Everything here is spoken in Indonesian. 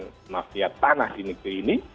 dengan mafia tanah di negeri ini